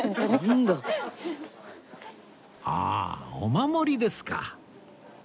ああお守りですか